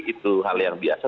itu hal yang biasa